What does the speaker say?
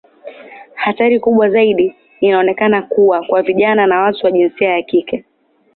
Hatari kubwa zaidi inaonekana kuwa kwa vijana na watu wa jinsia ya kike.